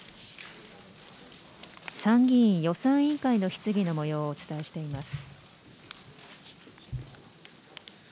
参議院予算委員会の質疑のもようをお伝えしています。